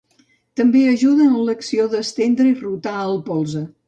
També ajuda en l'acció d'estendre i rotar el polze.